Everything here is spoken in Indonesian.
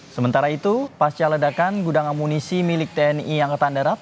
sementara itu pasca ledakan gudang amunisi milik tni angkatan darat